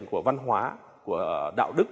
của văn hóa của đạo đức